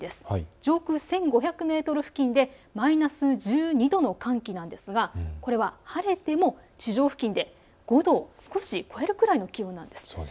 上空１５００メートル付近でマイナス１２度の寒気なんですがこれは晴れても地上付近で５度少し超えるくらいの気温なんです。